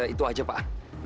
itu aja pak